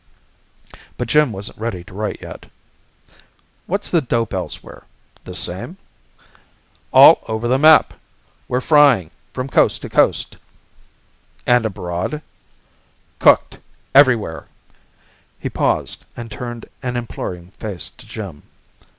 But Jim wasn't ready to write yet. "What's the dope elsewhere? The same?" "All over the map! We're frying, from coast to coast." "And abroad?" "Cooked, everywhere!" He paused, and turned an imploring face to Jim.